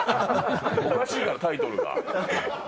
おかしいだろ、タイトルが。